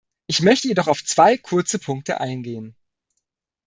Ich möchte jedoch auf zwei kurze Punkte eingehen.